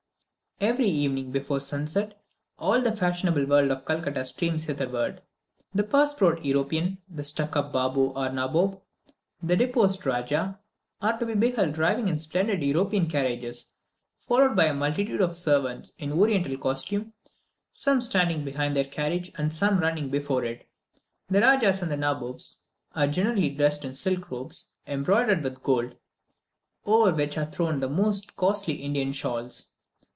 Every evening, before sunset, all the fashionable world of Calcutta streams hitherward. The purse proud European, the stuck up Baboo or Nabob, the deposed Rajah, are to be beheld driving in splendid European carriages, followed by a multitude of servants, in Oriental costume, some standing behind their carriages, and some running before it. The Rajahs and Nabobs are generally dressed in silk robes embroidered with gold, over which are thrown the most costly Indian shawls.